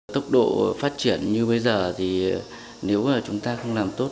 tốc độ phát triển như bây giờ thì nếu mà chúng ta không làm tốt